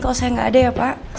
kalau saya nggak ada ya pak